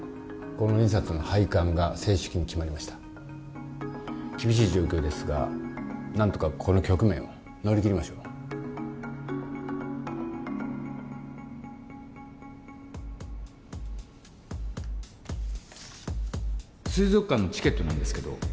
この２冊の廃刊が正式に決まりました厳しい状況ですが何とかこの局面を乗り切りましょう水族館のチケットなんですけど